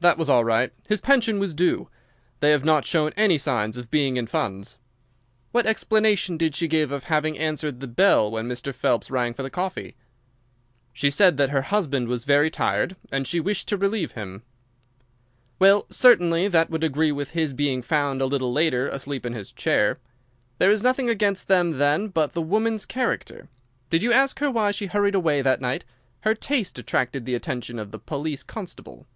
"That was all right. His pension was due. They have not shown any sign of being in funds." "What explanation did she give of having answered the bell when Mr. Phelps rang for the coffee?" "She said that her husband was very tired and she wished to relieve him." "Well, certainly that would agree with his being found a little later asleep in his chair. There is nothing against them then but the woman's character. Did you ask her why she hurried away that night? Her haste attracted the attention of the police constable."